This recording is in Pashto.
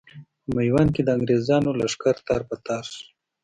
په ميوند کې د انګرېز لښکر تار په تار شو.